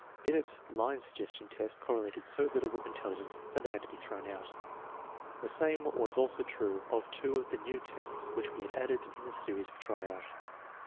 Binet's "line suggestion" test correlated so little with intelligence that it had to be thrown out* The same was also true of two of the new tests which we had added to the series for try out.